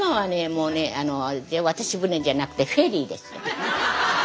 もうね渡し船じゃなくてフェリーですよ。